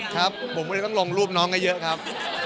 ครับผมก็เลยต้องลงรูปน้องเยอะครับ